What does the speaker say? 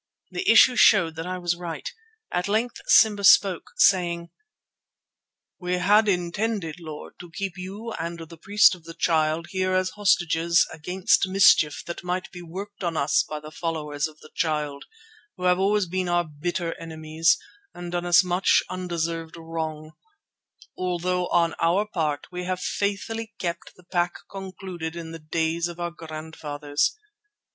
The issue showed that I was right. At length Simba spoke, saying: "We had intended, Lord, to keep you and the priest of the Child here as hostages against mischief that might be worked on us by the followers of the Child, who have always been our bitter enemies and done us much undeserved wrong, although on our part we have faithfully kept the pact concluded in the days of our grandfathers.